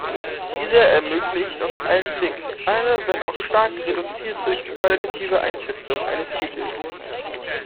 Diese ermöglicht auf einen Blick eine, wenn auch stark reduzierte, qualitative Einschätzung eines Titels.